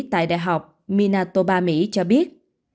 tại đại học minatoba mỹ cho biết